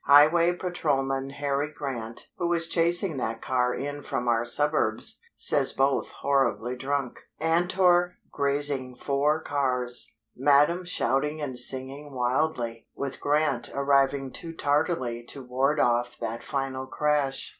Highway Patrolman Harry Grant, who was chasing that car in from our suburbs, says both horribly drunk, Antor grazing four cars, Madam shouting and singing wildly, with Grant arriving too tardily to ward off that final crash.'"